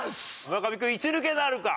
村上君１抜けなるか？